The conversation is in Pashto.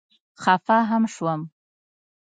خفه هم شوم.